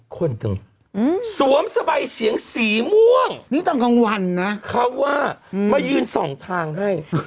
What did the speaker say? โคตรตึงสวมสบายเสียงสีม่วงนี่ต้องคงวันนะเขาว่าอืมมายืนสองทางให้